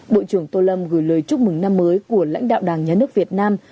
bộ trưởng tô lâm gửi lời chúc mừng năm mới của lãnh đạo đảng nhà nước việt nam